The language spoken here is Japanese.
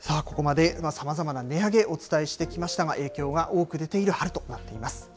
ここまでさまざまな値上げ、お伝えしてきましたが、影響が多く出ている春となっています。